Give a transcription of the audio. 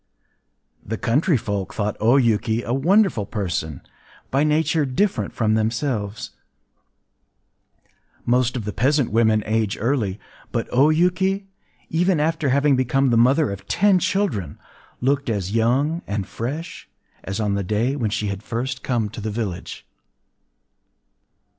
The country folk thought O Yuki a wonderful person, by nature different from themselves. Most of the peasant women age early; but O Yuki, even after having become the mother of ten children, looked as young and fresh as on the day when she had first come to the village.